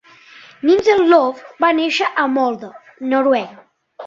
Nilssen-Love va néixer a Molde (Noruega).